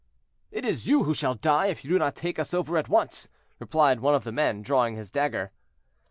"It is you who shall die, if you do not take us over at once," replied one of the men, drawing his dagger.